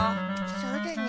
そうだね。